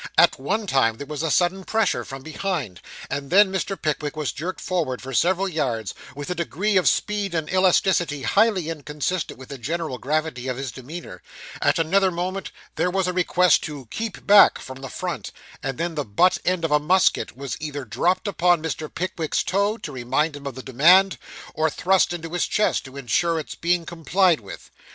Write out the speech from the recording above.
At one time there was a sudden pressure from behind, and then Mr. Pickwick was jerked forward for several yards, with a degree of speed and elasticity highly inconsistent with the general gravity of his demeanour; at another moment there was a request to 'keep back' from the front, and then the butt end of a musket was either dropped upon Mr. Pickwick's toe, to remind him of the demand, or thrust into his chest, to insure its being complied with.